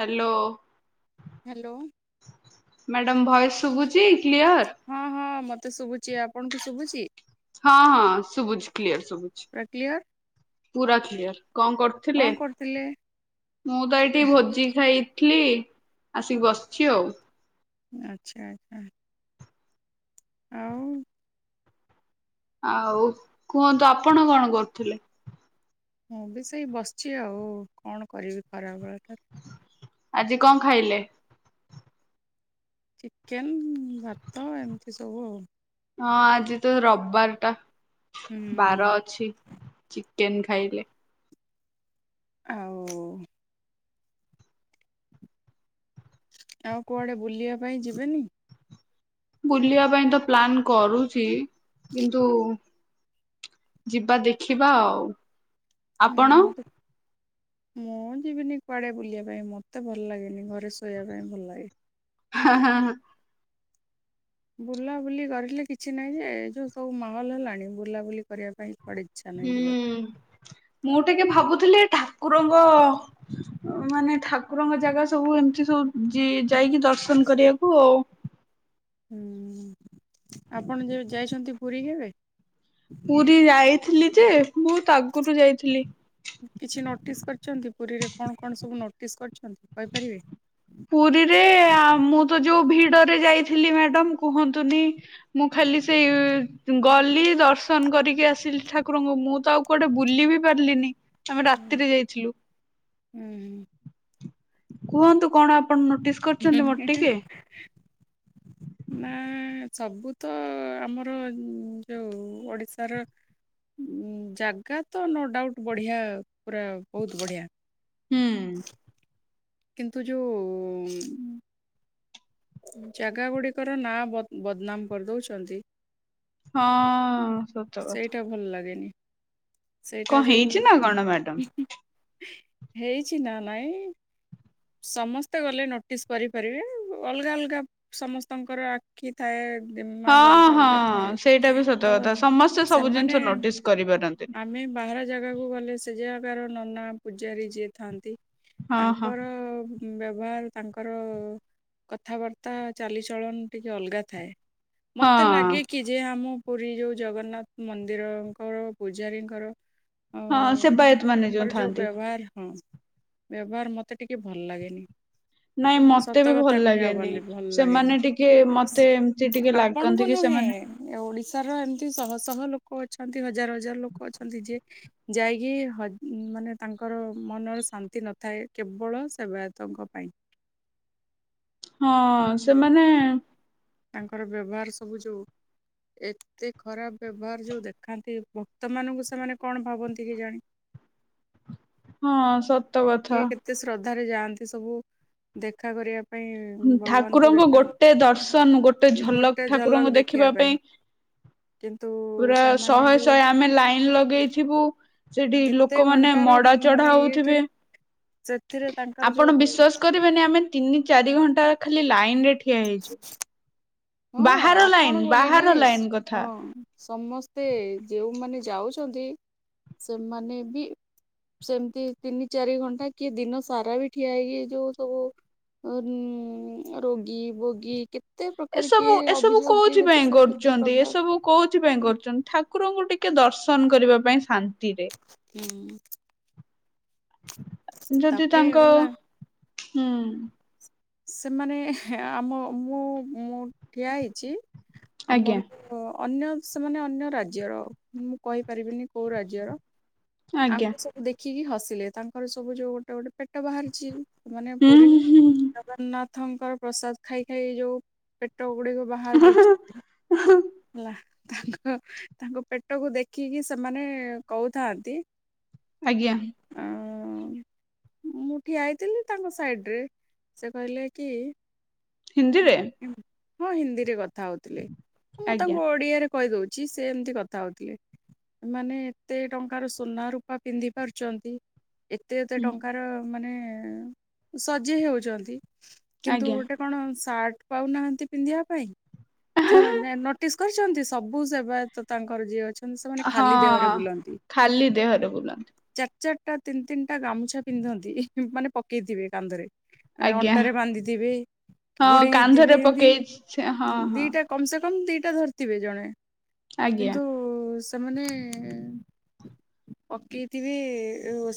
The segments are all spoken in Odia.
ହ୍ୟାଲୋ ହ୍ୟାଲୋ ମ୍ୟାଡାମ ଭଏସ ଶୁଭୁଚି କ୍ଲିଅର। ତ ଶୁଭୁଛି ଆପଣଙ୍କୁ ଶୁଭୁଛି। ହଁ ହଁ ସୁବୁଚି କ୍ଲିଅର। ପୁରା କ୍ଲିଅର ପୁରା କ୍ୟର। କଣ କଣ କରୁଥିଲେ କରୁଥିଲେ? ମୁଁ ତ ଏଇଠି ଭୋଜି ଖାଇଥିଲି। ଆସିକି ବସିଛି ଆଉ। ଆଚ୍ଛା ଆଚଛା। ଆଉ ଆଉ କୁହନ୍ତୁ ଆପଣ କଣ କରୁଥିଲେ? ମୁଁ ବି ସେଇ ବସିଛି ଆଉ କଣ କରିବି ଖରାବେଳେ ଟାର। ଆଜି କଣ ଖାଇଲେ? ଚିକେନ ଭାତ ଏମିତି ସବୁ ଆଉ। ହଁ ଆଜି ତ ରବିବାର ଟା। ବାର ହୁଁ ଅଛି ଚି। କେନ୍ ଖାଇଲେ। ଆଉ ଆଉ କୁଆଡେ ବୁଲିବା ପାଇଁ ଯିବେନି? ବୁଲିବା ପାଇଁ ତ ପ୍ଲାନ୍ କରୁଛି କିନ୍ତୁ ଯିବା ଦେଖିବା ଆଉ। ହୁଁ ଆପଣ? ମୁତ ମୁଁ ଯିବିନି କୁଆଡେ ବୁଲିବା ପାଇଁ ମତେ ଭଲ ଲାଗେନି ଘରେ ଶୋଇବା ପାଇଁ ଭଲ ଲାଗେ। ହଁ ହଁ ହଁ। ବୁଲାବୁଲି କରିଲେ କିଛି ନାହିଁ ଯେ ଏ ଯୋଉ ସବୁ ମାହଲ ହେଲାଣି ବୁଲାବୁଲି କରିବା ପାଇଁ କୁଆଡେ ଇଚ୍ଛା ନାହିଁ ହୁଁ ଯିବାକୁ। ମୁଁଟ ଟିକେ ଭାବୁଥିଲେ ଠାକୁରଙ୍କ ମାନେ ଠାକୁରଙ୍କ ଜାଗା ସବୁ ଏମତି ସବୁ ଜି ଯାଇକି ଦର୍ଶନ କରିବାକୁ ଆଉ। ହୁଁ ଆପଣ ଯେ ଯାଇଛନ୍ତି ପୁରୀ କେବେ? ପୁରୀ ଯାଇତ ଥିଲି ଯେ ବହୁତ ଆଗରୁ ଯାଇଥିଲି। ଛନ୍ତି ପୁରୀରେ କଣ କଣ ସବୁ ନୋଟିସ୍ କରିଛନ୍ତି କହିପାରିବେ? ପୁରୀରେ ଆ ମୁଁ ତ ଯୋଉ ଭିଡ ଭିଡରେ ଯାଇଥିଲି ମ୍ୟାଡାମ କୁହନ୍ତୁନି ମୁଁ ଖାଲି ସେଇ ଗଲି ଦର୍ଶନ କରିକି ଆସିଲି ଠାକୁରଙ୍କୁ ମୁଁ ତ ଆଉ କୁଆଡେ ବୁଲି ବି ପାରିଲିନି। ଆମେ ରାତିରେ ଯାଇଥିଲୁ। ହୁଁ କୁହନ୍ତୁ। କଣ ଆପ ହୁଁ ହୁଁ ମୁଁ ସବୁ ତ ଆମର ଯୋଉ ଓଡିଶାର ଜାଗା ତ ନୋ ଡାଉଟ ବଢିଆ ପୁରା ବହୁତ ବଢିଆ। ହୁଁ। କିନ୍ତୁ ଯୋଉ ଉଁ ଜାଗା ଗୁଡିକର ନାଁ ବଦ ବଦନାମ କରିଦଉଛନ୍ତି। ହଁ ସତ କଥା। ସେଇଟା ଭଲ ଲାଗେନି ସେଇଟା କଣ ଯୋଉ ହେଇଛି ନା କଣ ମ୍ୟାଡାମ। ହେଇଛି ନା ନାଇଁ। ସମସ୍ତେ ଗଲେ ନୋଟିସ୍ କରିପାରିବେ ଅଲଗା ଅଲଗା ସମସ୍ତଙ୍କର ଆଖି ଥାଏ। ହଁ ଦିମାଗ ଅଲଗା ହଁ ଅଲଗା ଥାଏ ସେଇଟା ବି ତ ସତ କଥା ସମସ୍ତେ ସବୁ ସେମାନେ ଜିନିଷ ନୋଟିସ କରିପାରନ୍ତି। ଆମେ ବାହାର ଜାଗାକୁ ଗଲେ ସେ ଜାଗାର ନନା ପୂଜାରୀ ଯିଏ ଥାଆନ୍ତି। ହଁ ହଁ। ତାଙ୍କର ବ୍ୟବହାର ତାଙ୍କର କଥାବାର୍ତ୍ତା ଚାଲିଚଳନ ଟିକେ ଅଲଗା ଥାଏ। ମତେ ହଁ ଲାଗେ କି ଯେ ଆମ- ପୁରୀ ଯୋଉ ଜଗନ୍ନାଥ ମନ୍ଦିରଙ୍କର ପୂଜାରୀଙ୍କର। ଅ ହଁ ସେବାୟତ ମାନେ ଯୋଉ ତାଙ୍କର ଥାଆନ୍ତି। ବ୍ୟବହାର ହଁ ବ୍ୟବହାର ମତେ ଟିକେ ଭଲ ଲାଗେନି। ନାଇଁ ମତେ ବି ସତ କଥା ଭଲ କହିବାକୁ ଲାଗେନି। ଗଲେ ଭଲ ଲାଗେନି ସେମାନେ ଟିକେ ମତେ ଏମତି ଟିକେ ଲାଗନ୍ତି ଆପଣଙ୍କୁ କି ନୁହେଁ ସେମାନେ ଓଡିଶାର ଏମତି ଶହ ଶହ ଲୋକ [unintelligible] ହଜାର ହଜାର ଲୋକ ଅଛନ୍ତି ଯିଏ ଯାଇକି ହଜା ମାନେ ତାଙ୍କର ମନରେ ଶାନ୍ତି ନଥାଏ କେବଳ ସେବାୟତଙ୍କ ପାଇଁ। ହଁ ସେମାନେ ତାଙ୍କର ବ୍ୟବହାର ସବୁ ଯୋଉ ଏତେ ଖରାପ ବ୍ୟବହାର ଯୋଉ ଦେଖାନ୍ତି ଭକ୍ତ ମାନଙ୍କୁ ସେମାନେ କଣ ଭାବନ୍ତି କେଜାଣି। ହଁ ସତ- କଥା। କି କେତେ ସତ ଧାରେ ଯାଆନ୍ତି ସବୁ ଦେଖା କରିବାକୁ ଠାକୁରଙ୍କୁ ଗୋଟେ ଦର୍ଶନ ଗୋଟେ ଝଲକ ଠାକୁରଙ୍କୁ ଦେଖିବା ପାଇଁ କିନ୍ତୁ ପୁରା ସେମାନେ ଶହେ ଯୋଉ ଶହେ ଆମେ ଲାଇନ ଲଗେଇଥିବୁ ସେଠି କେତେ ଲୋକମାନେ ଘଣ୍ଟାର ମଡା ଚଢା ମାନେ ଇଏଟେ ହଉଥିବେ ସେଥିରେ ତାଙ୍କର ଯୋଉ ଆପଣ ବିଶ୍ଵାସ କରିବେନି ଆମେ ତିନି ଚାରି ଘଣ୍ଟା ଖାଲି ଲାଇନ ରେ ଠିଆ ହେଇଛୁ ହଁ ବାହାର ଆପଣ ଲାଇନ ବୋଲି ବାହାର ନାହିଁ ଲାଇନ କଥା। ହଁ ସମସ୍ତେ ଯେଉମାନେ ଯାଉଛନ୍ତି ସେମାନେ ବି ସେମିତି ତିନି ଚାରି ଘଣ୍ଟା କିଏ ଦିନ ସାରା ବି ଠିଆ ହେଇକି ଯୋଉ ସବୁ ରୋଗୀ ଭୋଗୀ କେତେ ପ୍ରକାର ସବୁ ଏସବୁ କୋଉଥି କେତେ ପାଇଁ ସବୁ କେତେ କରୁଛନ୍ତି ପ୍ରକାର ଏସବୁ କୋଉଥି ପାଇଁ କରୁଛନ୍ତି ଠାକୁରଙ୍କୁ ଟିକେ ଟିକେ ଦର୍ଶନ କରିବା ପାଇଁ ଶାନ୍ତି ହୁଁ ଯଦି ତାପରେ ତାଙ୍କ ଗଲା ହୁଁ ସେମାନେ ଆମ ମୁଁ ମୁଁ ଠିଆ ହେଇଛି ଆଜ୍ଞା ଆମର ଅନ୍ୟ ସେମାନେ ଅନ୍ୟ ରାଜ୍ୟର ମୁଁ କହିପାରିବିନି କୋଉ ରାଜ୍ୟର ଆଜ୍ଞା ଆମକୁ ସବୁ ଦେଖ ଦେଖିକି ହସିଲେ ତାଙ୍କର ସବୁ ଯୋଉ ଗୋଟେ ଗୋଟେ ପେଟ ବାହାରିଛି ମାନେ ହୁଁ ପୁରୀ ଜଗନ୍ନାଥଙ୍କର ପ୍ରସାଦ ଖାଇ ଖାଇ ଯୋଉ ଗୁଡିକୁ ବାହାର ହୁଁ କରିଛୁ ହେଲା ତାଙ୍କ ତାଙ୍କ ପେଟକୁ ଦେଖିକି ସେମାନେ କହୁଥାନ୍ତି ଆଜ୍ଞା ହଁ ମୁଁ ଠିଆ ହେଇଥିଲି ତାଙ୍କ ସାଇଡ ରେ ସେ କହିଲେ କି? ହିନ୍ଦିରେ ହଁ ହିନ୍ଦୀରେ କଥା ହଉଥିଲି ମୁଁ ତ ଆଜ୍ଞା ଗୋଡିଆରେ କହି ଦଉଛି ସେ ଏମତି କଥା ହଉଥିଲେ ଏମାନେ ଏତେ ଟଙ୍କାର ସୁନା ରୂପା ପିନ୍ଧି ପାରୁଛନ୍ତି ଏତେ ଏତେ ହୁଁ ଟଙ୍କାର ମାନେ ସଜେ ହଉଛନ୍ତି କିନ୍ତୁ ଆଜ୍ଞା ଗୋଟେ କଣ? ସାର୍ଟ ପାଉନାହାନ୍ତି ପିନ୍ଧିବା ପାଇଁ ନୋଟିସ୍ କରିଛନ୍ତି ସବୁ ସେବାୟତ ତାଙ୍କର ଯିଏଅ ଅଛି ହଁ ଖାଲି ଦେହରେ ବୁଲନ୍ତିୁ ଚାରି ଚାରିଟା ତିନି ତିନିଟା ଗାମୁଛା ପିନ୍ଧନ୍ତି ମାନେ ପକେଇଥିବେ କାନ୍ଧରେ ମାନେ ଆଜ୍ଞା ଅଣ୍ଟାାରେ ବାନ୍ଧିଥିବେ ହଁ ଗୁଡେଇ ହେଇଥିବେ କାନ୍ଧରେ ଏମତି ପକେଇ ହଁ ହଁ ଦିଟା କମ ସେ କମ କମ ଦିଟା ଧରିଥିବେ ଜଣେ ଆଜ୍ଞା କିନ୍ତୁ ସେମାନେ ପକେଇଥିବେ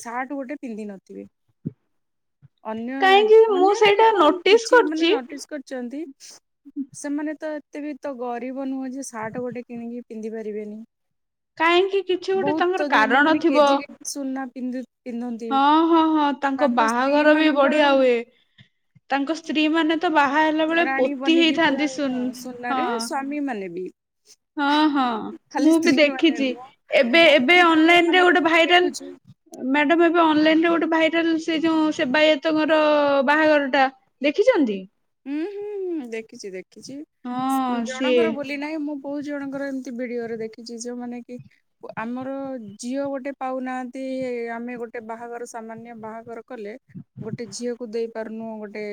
ସାର୍ଟ ଗୋଟେ ପିନ୍ଧ ନଥିବେ ଅନ୍ୟ କାହିଁକି ରାଜ୍ୟ ମୁଁ ଅନ୍ୟ ନା ସେଇଟା କଣ ନୋଟିସ୍ କିଛି ମାନେ କରିଛି ନୋଟିସ୍ କରି ସେମାନେ ତ ଏତେ ବି ତ ଗରିବ। କୁ ନୁହଁ ସାର୍ଟ ଗୋଟେ କିଣିକି। ପିନ୍ଧିପାରିବେନି। କାହିଁକି କିଛି ଗୋଟେ ତାଙ୍କର କାରଣ ଥିବ। କିନ୍ଦୁ। ହଁ ହଁ ହଁ ତାଙ୍କ ସ୍ତ୍ରୀ ବାହାଘର ବି ମାନଙ୍କର ବଢିଆ ହୁଏ। ତାଙ୍କ ସ୍ତ୍ରୀ ମାନେ ତ ବାହା ହେଲା ବେଳେ ରାଣୀ ପୋତି ବନିକି ପୁରା ହେଇଥାନ୍ତି ସୁନ୍ ହଁ ସୁନାରେ ସ୍ଵାମୀ ମାନେ ବି। ହଁ ହଁ ମୁଁ ଖାଲି ବି ସ୍ତ୍ରୀ ମାନେ ଦେଖିଛି। ନୁହଁ ଏବେ ଆମେ ଏବେ ବି ଭିଡିଓ ଅନଲାଇନ ରେ ଗୋଟେ ମାନଙ୍କରେ ବି ଭାଇରାଲ ଦେଖୁଛୁ ମ୍ୟାଡମ୍ ଏବେ ଅନଲାଇନରେ ଗୋଟେ ଭାଇ ତନ୍ ସେ ଯୋଉ ସେବାୟତଙ୍କର ବାହାଘର ଟା ଦେଖିଛନ୍ତି। ହୁଁ ହୁଁ ହୁଁ ଦେଖିଛି ଦେଖିଛି ହଁ ସିଏ ଜଣଙ୍କର ବୋଲି ନାହିଁ ମୁଁ କୋଉ ଜଣଙ୍କର ଏମିତି ଭିଡିଓରେ ଦେଖିଛି ଯୋଉମାନେ କି ଆମର ଝିଅ ଗୋଟେ ପାଉନାହାନ୍ତି ଆମେ ଗୋଟେ ବାହାଘର ସାମାନ୍ୟ ବାହାଘର କଲେ ଗୋଟେ ଝିଅକୁ ଦେଇ ପାରୁନୁ ଗୋଟେ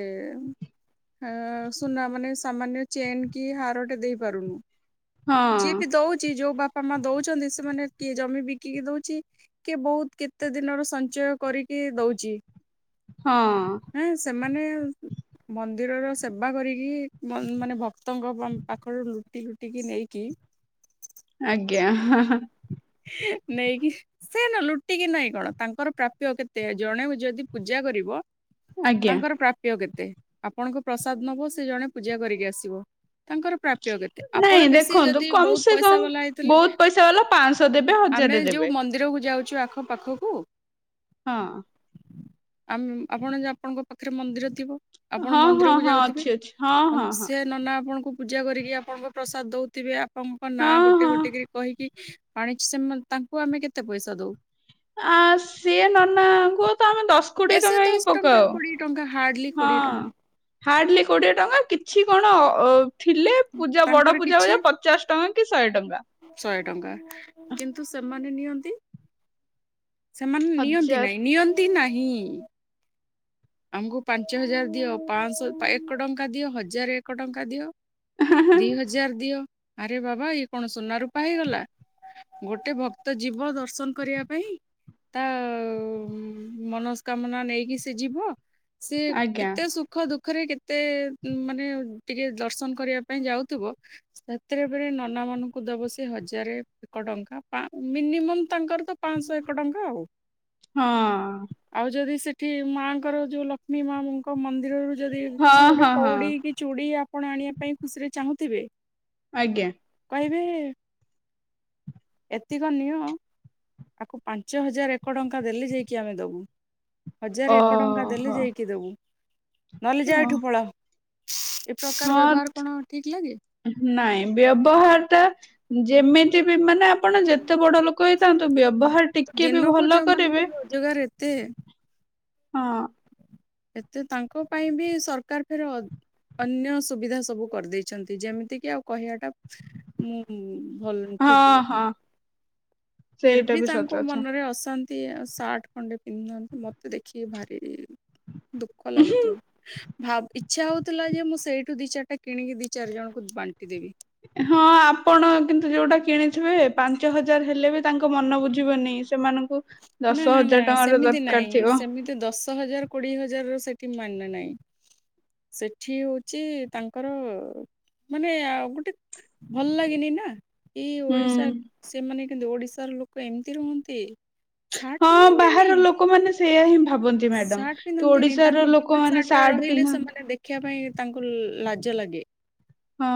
ଆ ଆ ଆ ସୁନା ମାନେ ସାମାନ୍ୟ ଚେନ କି ହାରଟେ ଦେଇ ପାରୁନୁ। ଯିଏ ହଁ ବିି ଦଉଛି ଯୋଉ ବାପ ବାପା ମା ଦଉଛନ୍ତି ସେମାନେ କିଏ ଜମି ବିକିକି ଦଉଚି କି ବହୁତ କେତେ ଦିନର ସଞ୍ଚୟ କରିକି ଦଉଚି ହଁ ମାନେଏ ମନ୍ଦିରର ସେବା କରିକି ମନ୍ଦ ମାନେ ଭକ୍ତଙ୍କ ପା ପାଖରୁ ଲୁଟି ଲୁଟିକି ନେଇକି ଆଜ୍ଞା ହଁ ହଁ। ନେଇକି ସେ ନ ଲୁଟିକି ନାଇଁ କଣ ତାଙ୍କର ପ୍ରାପ୍ୟ କେତେ ଜଣେ ଓ ଯଦି ପୂଜା କରିବ। ଆଜ୍ଞା ତାଙ୍କର ପ୍ରାପ୍ୟ କେ ତେ ଆପଣଙ୍କ ପ୍ରସାଦ ନବ ସେ ଜଣେ ପୂଜା କରିକି ଆସିବ ତାଙ୍କର ପ୍ରାପ୍ୟ କେତେ ଆପଣ ନାଇଁ ବେଶୀ ଦେଖନ୍ତୁ ଯଦି କମ ବହୁତ୍ ସେ ପଇସା କମ ବାଲା ହେଇଥିଲେ ବହୁତ ପଇସା ବାଲା ପାଞ୍ଚଶହ ଦେବେ ଆମେ ହଜାରେ ଯୋଉ ଦେବେ ମନ୍ଦିର କୁ ଯାଉ ଆଖ ପାଖକୁ ହଁ। ଆମ ଆପଣ ଯ ଆପଣଙ୍କ ପାଖରେ ମନ୍ଦିର ଥିବ। ଆପଣ ହଁ ମନ୍ଦିର ହଁ କୁ ହଁ ଯାଉଥିବେ ଅଛି ଅଛି ହଁ ହଁ ହଁ ସେ ନନା ଆପଣ ଙ୍କୁ କୁ ପୂଜା କରିକି ଆପଣଙ୍କୁ ପ୍ରସାଦ ଦେଉଥିବେ। ଲପଙ୍କ ନାଁ ହଁ ଗୋଟେ ହଁ ଗୋଟେ କହିକି। ପାଣିଛି ସେ ତାଙ୍କୁ ଆମେ କେତେ ପଇସା ଦଉ। ଆ ସିଏ ନନାଙ୍କୁ ଆମେ ଦଶ କୋଡ଼ିଏ ବେଶୀ ଟଙ୍କା ହିଁ ଦଶ ଟଙ୍କା ପକାଉ କୋଡିଏ ଟଙ୍କା ହାର୍ଡଲି ହଁ କୋଡିଏ ଟଙ୍କା ହାର୍ଡଲି କୋଡ଼ିଏ ଟଙ୍କା କିଛି କଣ ଅ ଥିଲେ ପୂଜା ବଡ ତାଙ୍କର ପୂଜା କିଛି ପୂଜା ପଚାଶ ଟଙ୍କା କି ଶହେ ଟଙ୍କା ଶହେ ଟଙ୍କା କିନ୍ତୁ ସେମାନେ ମାନ ନିଅନ୍ତି ସେମାନେ ନିଅନ୍ତି ହଜାର ନାହିଁ ନିଅନ୍ତି ନାହିଁ ହୁଇ [inaudible] ଆମକୁ ପାଞ୍ଚ ହଜାର ଦିଅ ପାଞ୍ଚଶହ ଏକ ଟଙ୍କା ଦିଅ ହଜାର ଏକ ଟଙ୍କା ଦିଅ ଦିଇ ହଜାର ଦିଅ ଆରେ ବାବା ଇଏ କଣ ସୁନା ରୂପା ହେଇଗଲା ଗୋଟେ ଭକ୍ତ ଯିବ ଦର୍ଶନ କରିବା ପାଇଁ ତା ମନସ୍କାମନା ନେଇକି ସେ ଯିବ ସେ ଆଜ୍ଞା କେତେ ସୁଖ ଦୁଃଖ ପାଖରେ କେତେ ମାନେ ଟିକେ ଦର୍ଶନ କରିବା ପାଇଁ ଯାଉଥିବ ସେଥିରେବେ ନନା ମାନଙ୍କୁ ଦବ ସେ ହଜାରେ ଏକ ଟଙ୍କା ମିନିମମ୍ ତାଙ୍କର ତ ପାଞ୍ଚଶହ ଏକ ଟଙ୍କା ଆଉ ହଁ କି ମା ଙ୍କର ଯୋଉ ଲକ୍ଷ୍ମୀ ମାଙ୍କ ମନ୍ଦିରରୁ ଯଦି ହଁ କିଛି ଗୋଟେ ହଁ ହଁ କଉଡ଼ି କି ଚୁଡ଼ିଆ ଆପଣ ଆଣିବା ପାଇଁ ଖୁସିରେ ଚାହୁଁଥିବେ ଆଜ୍ଞା ଏତିକ ନିଅ ତାକୁ ପାଞ୍ଚ ହଜାର ଏକ ଟଙ୍କା ଦେଲେ ଯାଇକି ଆମେ ଦବୁ ହଜାର ଏକ ଏକ ଟଙ୍କା ଦେଲେ ଓହୋ ଯାଇକି ଦେବୁ। ନହେଲେ ଯାହା ଓ, ଏଠୁ ପଳା ଏ ପ୍ରକାର ହଁ ବ୍ୟବହାର କଣ ଠିକ ଲାଗେ ନାଇଁ ବ୍ୟବହାର ଟା ଯେମିତି ମାନେ ଆପଣ ଯେତେ ବଡ଼ ଲୋକ ହେଇଥାନ୍ତୁ ବ୍ୟବହାର ଟିକେ ବି ଦିନକୁ ଭଲ ଯୋଉମାନଙ୍କର କରିବେ। ରୋଜଗାର ଏତେ ହଁ। ଏତେ ତାଙ୍କ ପାଇଁ ବି ସରକାର ଫେର ଅନ୍ୟ ସୁବିଧା ସବୁ କରିଦେଇଛନ୍ତି ଯେମିତିକି ଆଉ କହିବାଟା ମୁଁ ଭଲ ହଁ ଠିକ ହଁ ଫେର୍ ସେଇଟା ବି ସତ ତାଙ୍କ କଥା। ମନରେ ଅଶାନ୍ତି ତି ସାଠ ଖଣ୍ଡେ ପିନ୍ଧନ୍ତି ମତେ ଦେଖି କି ଭାରି ଦୁଃଖ ଲାଗୁଥିଲା ଭାବ ଇଚ୍ଛା ହଉଥିଲା ଯେ ମୁଁ ସେଇ ତୁ ଦି ଚାରିଟା କିଣିକି ଦି ଚାରି ଜଣଙ୍କୁ ବାଣ୍ଟି ଦେବି ହଁ ଆପଣ କିନ୍ତୁ ଯୋଉଟା କିଣିଥିବେ ପାଞ୍ଚ ହଜାର ହେଲେ ବି ତାଙ୍କ ମନ ବୁଝିବନି ସେମାନଙ୍କୁ ଦଶ ନା ନା ନା ହଜାର ଟଙ୍କାର ସେମିତି ଦରକାର ନାଇଁ ଥିବ ସେମିତି ଦଶ ହଜାର କୋଡିଏ ହଜାର ସେଠି ମାନେ ନାହିଁ ସେଠି ହଉଛି ତାଙ୍କର ମାନେ ଆଉ ଗୋଟେ ଭଲ ଲାଗିନି ନା ଏଇ ହୁଁ। ଓଡ଼ିଶା ସେମାନେ କିନ୍ତୁ ଓଡ଼ିଶାର ଲୋକ ଏମିତି ରୁହନ୍ତି ସାର୍ଟ ହଁ ପିନ୍ଧନ୍ତିନି ବାହାର ଲୋକମାନେ ସେଇଆ ହି ସାର୍ଟ ପିନ୍ଧନ୍ତିନି ତାଙ୍କୁ ବିନା ଲୋକମାନେ ସାର୍ଟ ରେ ରହିଲେ ପିନ୍ଧନ୍ତି ସେମାନେ ଦେଖିବା ପାଇଁ ତାଙ୍କୁ ଲାଜ ଲାଗେ ଲାଗେ ହଁ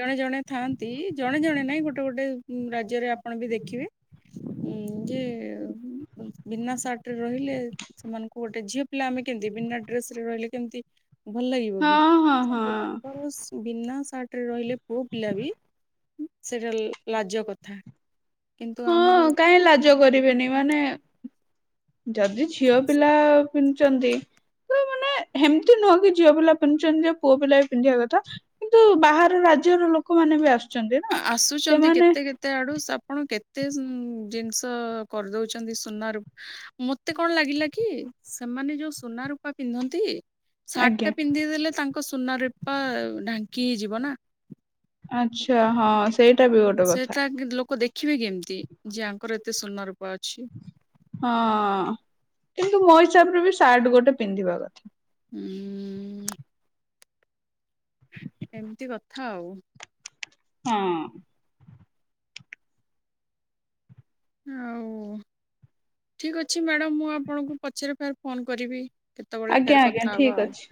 ଜଣେ ଜଣେ ଥାନ୍ତି ଜଣେ ଜଣେ ନାଇଁ ଗୋଟେ ଗୋଟେ ରାଜ୍ୟରେ ଆପଣ ବି ଦେଖିବେ ଉଁ ଯେ ବିନା ସାର୍ଟ ରେ ରହିଲେ ସେମାନଙ୍କୁ ଗୋଟେ ଝିଅ ପିଲା ଆମେ କେମତି ବିନା ଡ୍ରେସ ରେ ରହିଲେ କେମିତି ଭଲ ଲାଗିବ କି ହଁ ହଁ ହଁ। ବିନା ସାର୍ଟ ରାତିରେ ରହିଲେ ପୁଅ ପିଲା ବି ସେଇଟା ଲାଜ କଥା କିନ୍ତୁ ଆମର ହଁ କାହିଁ ଲାଜ କରିବେନି ମାନେ ଯଦି ଝିଅ ପିଲା ପିନ୍ଧୁଛନ୍ତି ତ ମାନେ ଏମିତି ନୁହଁ କି ଝିଅ ପିଲା ପିନ୍ଧୁଛନ୍ତି ଯେ ପୁଅ ପିଲା ବି ପିନ୍ଧିବା କଥା କିନ୍ତୁ ବାହାର ରାଜ୍ୟର ଲୋକମାନେ ବି ଆସୁଛନ୍ତି ନା ଆସୁଛନ୍ତି ସେମାନେ କେତେ କେତେ ଆଡ଼ୁ ଷ ଆପଣ କେତେ ଏତେ ଉ ଜିନିଷ କରିଦଉଛନ୍ତି ସୁନା ରୂପା ମତେ କଣ ଲାଗିଲା କି ସେମାନେ ଯୋଉ ସୁନା ରୂପା ପିନ୍ଧନ୍ତି ସାର୍ଟ ଆଜ୍ଞା ଟା ପିନ୍ଧିଦେଲେ ତାଙ୍କ ସୁନା ରୂପା ଢାଙ୍କି ହେଇଯିବ ନା ଆଛା ହଁ ସେଇଟା ବି ଗୋଟେ କଥା ସେଟା ଲୋକ ଦେଖିବେ କେମିତି ଯେ ଆଙ୍କର ଏତେ ସୁନ ରୂପା ଅଛି ହଁ କିନ୍ତୁ ମୋ ହିସାବରେ ବି ସାର୍ଟ ଗୋଟେ ପିନ୍ଧିବା କଥା। ହୁଁ ଏମିତି କଥା ଆଉ। ହଁ। ଆଉ ଠିକ ଅଛି ମ୍ୟାଡାମ ମୁଁ ଆପଣଙ୍କୁ ପଛରେ ଫେର ଫୋନ କରିବି। କେତେବେଳେ ଆଜ୍ଞା ଫେର ଆଜ୍ଞା କଥା ହବା ଠିକ ଆଉ ଅଛି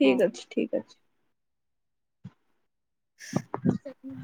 ଠିକ ଅଛି ଠିକ ଅଛି। ସେଁ।